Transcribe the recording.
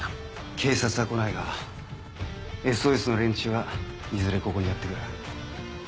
警察は来ないが「ＳＯＳ」の連中はいずれここにやって来る。